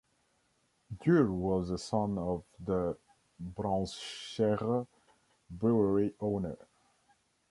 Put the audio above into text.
Dürre was a son of the Braunschweiger brewery owner...